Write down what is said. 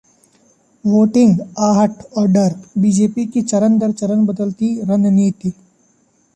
voting, आहट और डर... बीजेपी की चरण दर चरण बदलती 'रणनीति'